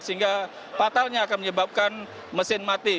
sehingga fatalnya akan menyebabkan mesin mati